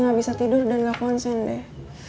nggak bisa tidur dan nggak konsen deh